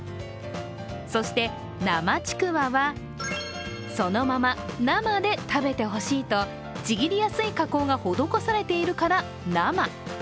そして、生ちくわは、そのまま生で食べてほしいとちぎりやすい加工が施されているから生。